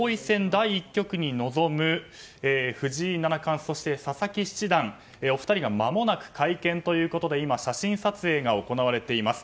第１局に臨む藤井七冠そして佐々木七段、お二人がまもなく会見ということで今、写真撮影が行われています。